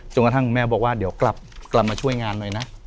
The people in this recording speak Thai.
กระทั่งคุณแม่บอกว่าเดี๋ยวกลับมาช่วยงานหน่อยนะ